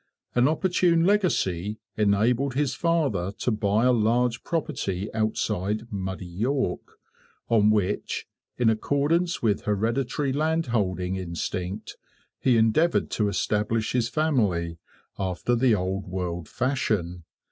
An opportune legacy enabled his father to buy a large property outside 'muddy York,' on which, in accordance with hereditary landholding instinct, he endeavoured to establish his family, after the old world fashion.